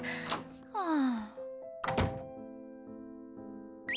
はあ。